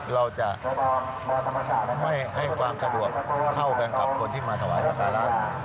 เราจะไม่ให้ความสะดวกเท่ากันกับคนที่มาถวายสักการะ